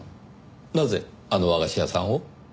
なぜあの和菓子屋さんを？